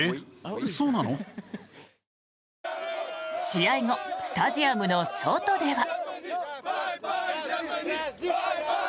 試合後スタジアムの外では。